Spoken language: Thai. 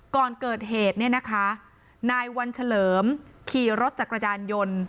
ก่อนเกิดเหตุเนี่ยนะคะนายวันเฉลิมขี่รถจักรยานยนต์